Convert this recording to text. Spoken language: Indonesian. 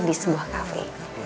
di sebuah cafe